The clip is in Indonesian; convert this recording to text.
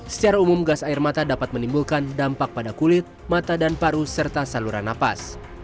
secara umum gas air mata dapat menimbulkan dampak pada kulit mata dan paru serta saluran nafas